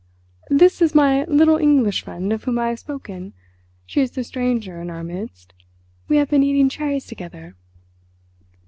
"This is my little English friend of whom I have spoken. She is the stranger in our midst. We have been eating cherries together."